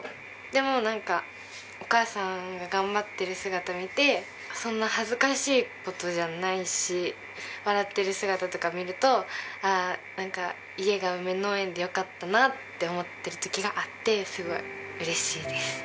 でもなんかお母さんが頑張ってる姿見てそんな恥ずかしい事じゃないし笑ってる姿とか見るとああなんか家が梅農園でよかったなって思っている時があってすごい嬉しいです。